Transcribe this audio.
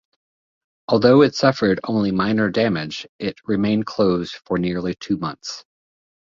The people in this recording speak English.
Although it suffered only minor damage, it remained closed for nearly two months.